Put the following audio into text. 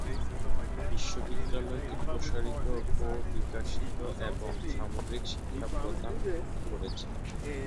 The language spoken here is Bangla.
বিদ্যালয়টি প্রসারিত ও বিকাশিত এবং সামগ্রিক শিক্ষা প্রদান করেছে।